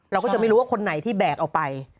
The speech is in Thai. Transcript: เราก็จะไม่รู้ว่าคนไหนที่แบกออกไป